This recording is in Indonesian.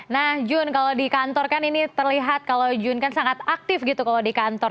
nah jun kalau di kantor kan ini terlihat kalau jun kan sangat aktif gitu kalau di kantor